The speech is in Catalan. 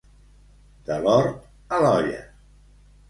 De l'hort a l'olla.